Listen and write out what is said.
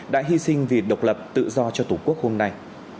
đã hy sinh vì độc lập tự do cho tổ quốc hôm nay